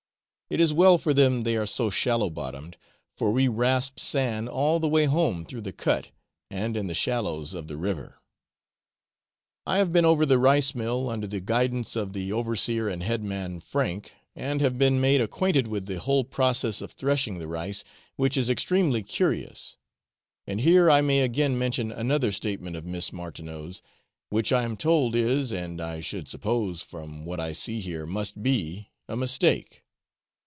It is well for them they are so shallow bottomed, for we rasped sand all the way home through the cut, and in the shallows of the river. I have been over the rice mill, under the guidance of the overseer and head man Frank, and have been made acquainted with the whole process of threshing the rice, which is extremely curious; and here I may again mention another statement of Miss Martineau's, which I am told is, and I should suppose from what I see here must be, a mistake.